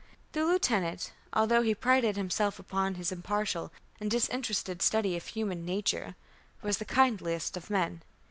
The lieutenant, although he prided himself upon his impartial and disinterested study of human nature, was the kindliest of men.